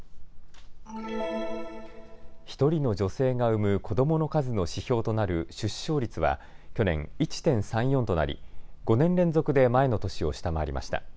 １人の女性が産む子どもの数の指標となる出生率は去年、１．３４となり５年連続で前の年を下回りました。